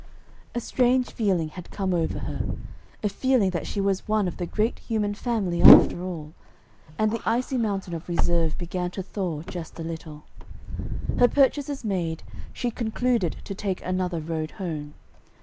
A strange feeling had come over her, a feeling that she was one of the great human family after all, and the icy mountain of reserve began to thaw just a little. Her purchases made, she concluded to take another road home.